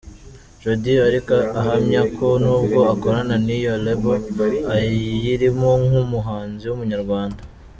Jody ariko ahamya ko nubwo akorana n’iyo Label, ayirimo nk’umuhanzi w’Umunyarwanda.